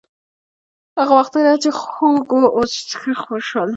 هغه وختونه چې خوږ وو، اوس ښخ شول.